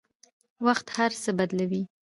وخت هر څه بدلوي.